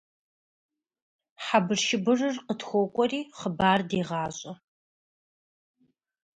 Приходит, подлец, и заявляет